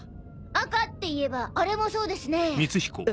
赤っていえばあれもそうですね。え？